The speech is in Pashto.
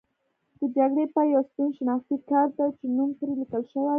د جګړې پای یو سپین شناختي کارت دی چې نوم پرې لیکل شوی.